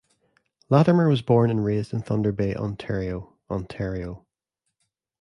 Latimer was born and raised in Thunder Bay, Ontario, Ontario.